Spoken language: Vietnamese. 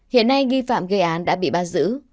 hiện nay nghi phạm gây án đã bị bắt giữ